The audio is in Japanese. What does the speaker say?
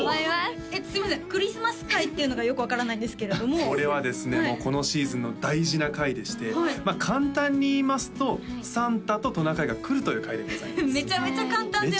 クリスマス回っていうのがよく分からないんですけれどもこれはですねこのシーズンの大事な回でしてまあ簡単に言いますとサンタとトナカイが来るという回でございますめちゃめちゃ簡単だよ